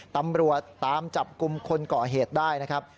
ตำรวจตามจับกลุ่มคนก่อเหตุได้นะครับ